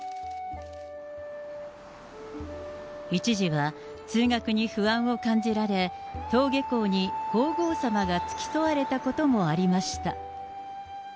一時は通学に不安を感じられ、登下校に皇后さまが付き添われたこともありました。